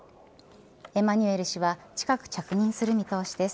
エマニュエル氏は近く着任する見通しです。